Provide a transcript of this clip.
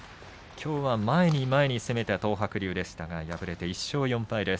きょうは前に前に攻めた東白龍でしたが敗れて１勝４敗です。